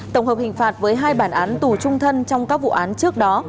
tổng hợp hình phạt với hai bản án tù trung thân trong các vụ án trước đó